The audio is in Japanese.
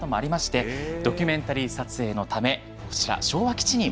ドキュメンタリー撮影のためこちら昭和基地に向かいました。